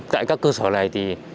tại các cơ sở này